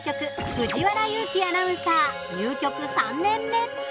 藤原優紀アナウンサー入局３年目。